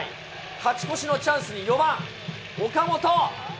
勝ち越しのチャンスに４番岡本。